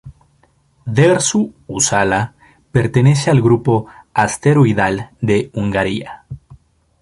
Dersu-Uzala pertenece al grupo asteroidal de Hungaria.